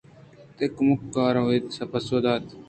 تئی کمکاراںدویئناں پسو دات